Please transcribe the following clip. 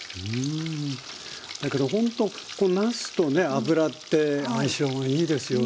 だけどほんとこのなすとね油って相性がいいですよね。